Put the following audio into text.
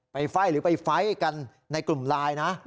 ไฟ่หรือไปไฟล์กันในกลุ่มไลน์นะ